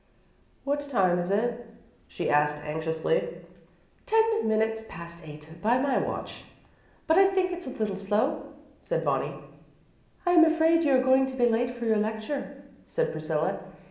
"What time is it?" she asked anxiously. "Ten minutes past eight by my watch, but I think it's a little slow," said Bonnie. "I am afraid you're going to be late for your lecture," said Priscilla.